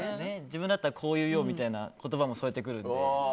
自分だったらこういうよみたいな言葉も添えてくるんで。